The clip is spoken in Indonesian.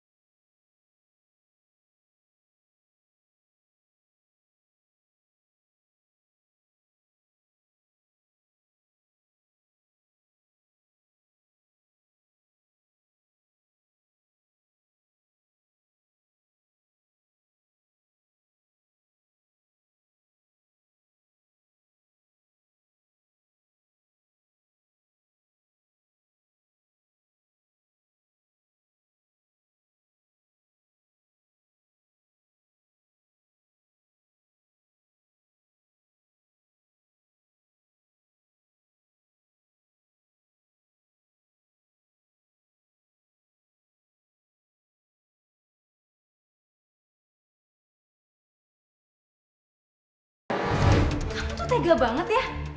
kamu tuh tega banget ya